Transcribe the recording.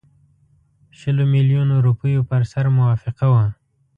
شلو میلیونو روپیو پر سر موافقه وه.